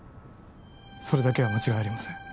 それだけは間違いありません。